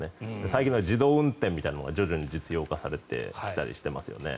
最近は自動運転が徐々に実用化されてきたりしていますよね。